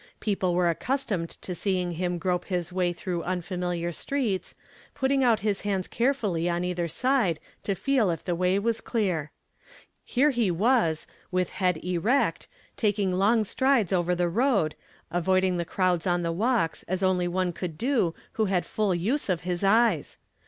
Peoj.le were accustomed to see ing him grope his way through unfamiliar streets, (' I 236 YESTERDAY FRAMED IN TO DAY. h: 1 putting out his hands carefully on either side to feel if the way was clear. Here he was, with head erect, taking long strides over the road, avoiding the crowds on the walks as only one could do who had full use of his eyes.